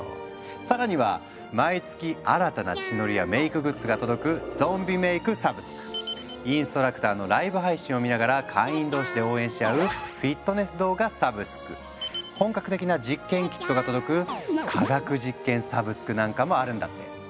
更には毎月新たな血のりやメイクグッズが届くインストラクターのライブ配信を見ながら会員同士で応援し合う本格的な実験キットが届く「科学実験サブスク」なんかもあるんだって。